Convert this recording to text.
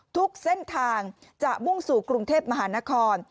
ทุกเส้นทางจะมุ่งสู่กรุงเทพมหานคร